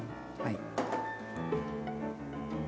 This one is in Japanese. はい。